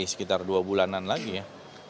sekitar dua bulanan lagi ya